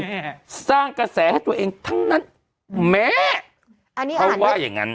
แม่สร้างกระแสให้ตัวเองทั้งนั้นแม่เขาว่าอย่างงั้น